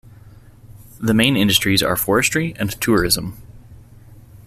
The main industries are forestry and tourism.